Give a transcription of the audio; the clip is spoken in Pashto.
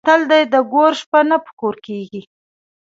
متل دی: د ګور شپه نه په کور کېږي.